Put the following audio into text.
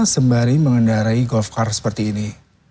sembari mengendarai golf car seperti ini